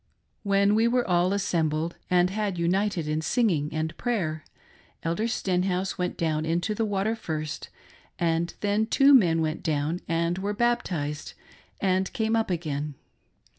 When we were all assembled and had united in singing and prayer, Elder Stenhouse went down into the water first, arjd then two men went down and were baptized, and came up again.